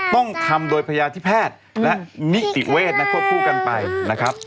ต้องทำโดยพยาธิแพทย์และนิติเวทนะควบคู่กันไปนะครับ